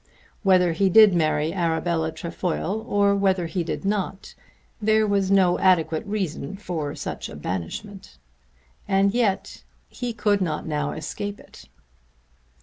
Whether he did marry Arabella Trefoil or whether he did not, there was no adequate reason for such a banishment. And yet he could not now escape it!